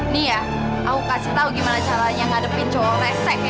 nih ya aku kasih tau gimana caranya ngadepin cowok resek kayak dia